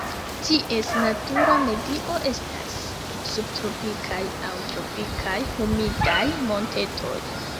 Ties natura medio estas subtropikaj aŭ tropikaj humidaj montetoj.